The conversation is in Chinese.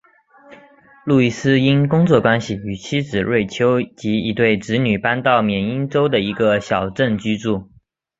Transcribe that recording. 路易斯因工作关系与妻子瑞秋及一对子女搬到缅因州的一个小镇居住。